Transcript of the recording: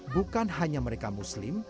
bukan hanya mereka muslim